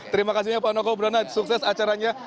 terima kasihnya pak noko brana sukses acaranya